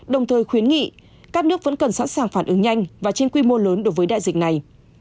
đồng thời khuyến nghị các nước vẫn cần sẵn sàng phản ứng nhanh và trên quy mô lớn đối với đại dịch này